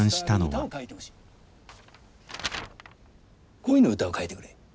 恋の歌を書いてくれ。